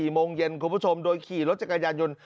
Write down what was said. โมงเย็นคุณผู้ชมโดยขี่รถจักรยานยนต์